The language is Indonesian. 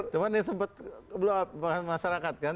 cuma ini sempat kebluah masyarakat kan